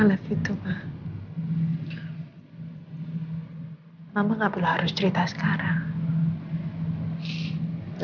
alef itu mah mama gak perlu harus cerita sekarang